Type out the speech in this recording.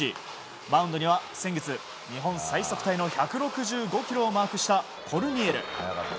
マウンドには先月日本最速タイの１６５キロをマークしたコルニエル。